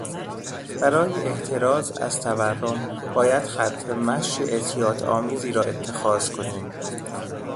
برای احتراز از تورم باید خطمشی احتیاط آمیزی را اتخاذ کنیم.